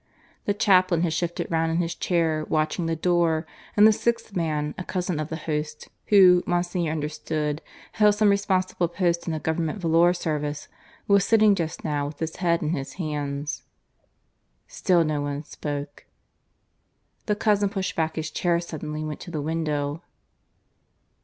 The chaplain had shifted round in his chair, watching the door, and the sixth man, a cousin of the host, who, Monsignor understood, held some responsible post in the Government volor service, was sitting just now with his head in his hands. Still no one spoke. The cousin pushed back his chair suddenly and went to the window.